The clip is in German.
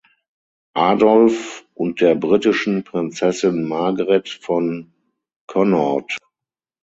Adolf und der britischen Prinzessin Margaret von Connaught.